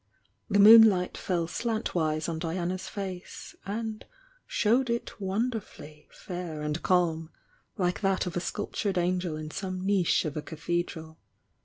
The moonlight fell slantwise on Diana's face and showed it won derfully fair and calm, like that of a sculptured angel in some niche of a cathedral.